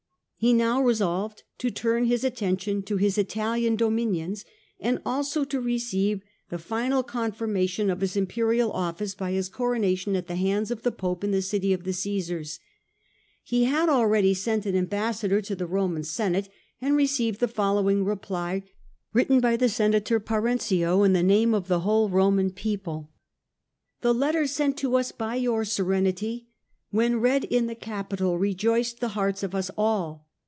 He now resolved to turn his attention to his Italian dominions and also to receive the final confirma 54 STUPOR MUNDI tion of his Imperial Office by his Coronation at the hands of the Pope in the city of the Caesars. He had already sent an ambassador to the Roman Senate and received the following reply, written by the Senator Parenzio in the name of the whole Roman people :" The letter sent to us by your Serenity, when read in the Capitol, rejoiced the hearts of us all.